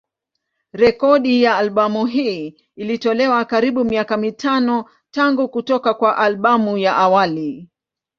Rekodi ya albamu hii ilitolewa karibuni miaka mitano tangu kutoka kwa albamu ya awali.